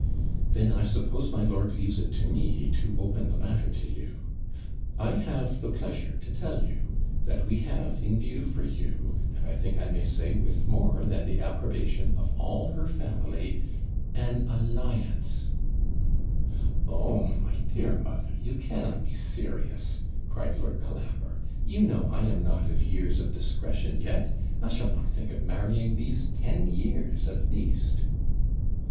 'Then I suppose my lord leaves it to me to open the matter to you. I have the pleasure to tell you, that we have in view for you and I think I may say with more than the approbation of all her family an alliance ' 'Oh! my dear mother! you cannot be serious,' cried Lord Colambre; 'you know I am not of years of discretion yet I shall not think of marrying these ten years, at least.'